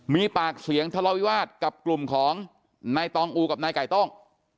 มีปากเสียงทะเลาวิวาสกับกลุ่มของนายตองอูกับนายไก่ต้ง